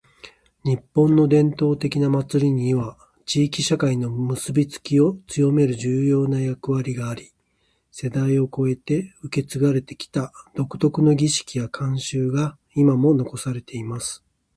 •「日本の伝統的な祭りには、地域社会の結びつきを強める重要な役割があり、世代を超えて受け継がれてきた独特の儀式や慣習が今も残されています。」